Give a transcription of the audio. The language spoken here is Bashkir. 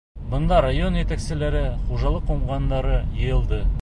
Бында район етәкселәре, хужалыҡ уңғандары йыйылды.